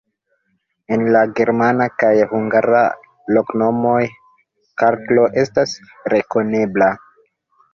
En la germana kaj hungara loknomoj kalko estas rekonebla.